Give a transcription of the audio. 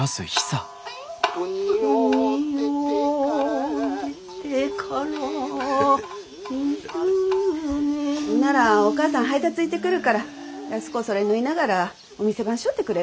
ほんならお母さん配達行ってくるから安子それ縫いながらお店番しょってくれる？